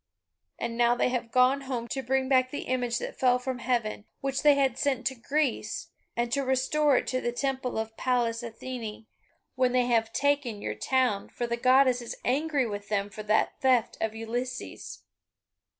And now they have gone home to bring back the image that fell from heaven, which they had sent to Greece, and to restore it to the Temple of Pallas Athene, when they have taken your town, for the Goddess is angry with them for that theft of Ulysses."